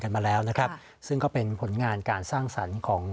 มาแล้วนะครับซึ่งก็เป็นผลงานการสร้างสรรค์ของ